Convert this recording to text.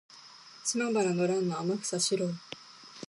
島原の乱の天草四郎